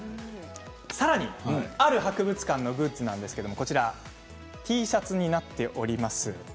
さらに、ある博物館のグッズなんですけれどもＴシャツになっております。